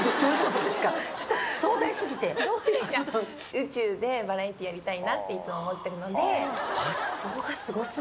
宇宙でバラエティーやりたいなっていつも思ってるので。